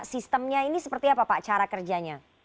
sistemnya ini seperti apa pak cara kerjanya